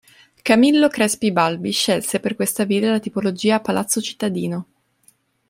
Camillo Crespi Balbi scelse per questa villa la tipologia a palazzo cittadino.